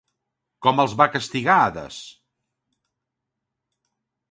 Com els va castigar Hades?